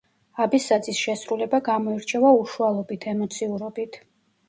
აბესაძის შესრულება გამოირჩევა უშუალობით, ემოციურობით.